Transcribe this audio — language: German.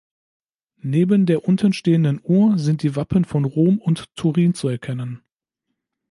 Neben der unterstehenden Uhr sind die Wappen von Rom und Turin zu erkennen.